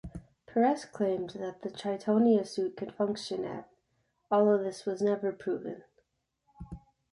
Peress claimed that the Tritonia suit could function at although this was never proven.